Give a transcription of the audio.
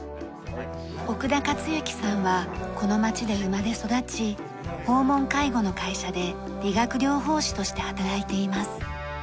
奥田克幸さんはこの街で生まれ育ち訪問介護の会社で理学療法士として働いています。